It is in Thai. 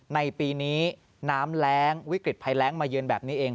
ในปีนี้น้ำแรงวิกฤตภัยแรงมาเยือนแบบนี้เอง